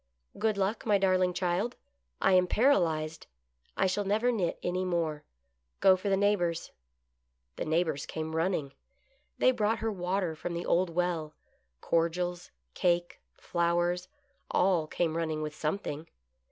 " Good Luck, my darling child ! I am paralyzed. I shall never knit any more. Go for the neighbors." The neighbors came running. They brought her water from the old well — cordials, cake, flowers — all came running with something.